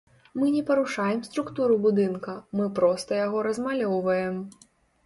Мы не парушаем структуру будынка, мы проста яго размалёўваем.